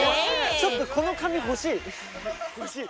ちょっとこの紙欲しい。